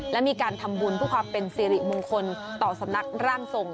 และมีการทำบุญเพื่อความเป็นสิริมงคลต่อสำนักร่างทรง